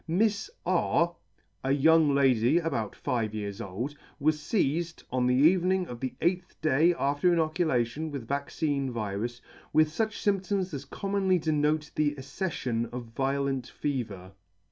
A a Mifs C f 7° ] Mifs R a young lady about five years old, was feizea, on the evening of the eighth day after inoculation with vaccine virus, with fuch fymptoms as commonly denote the accefiion of violent fever.